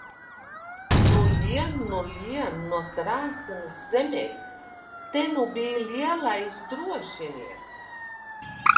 Nu, lien nu lien no krāsns zemē! Te nu bij lielais drošinieks!